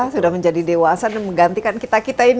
sudah menjadi dewasa dan menggantikan kita kita ini